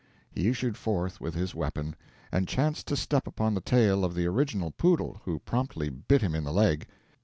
He issued forth with his weapon, and chanced to step upon the tail of the original poodle, who promptly bit him in the leg.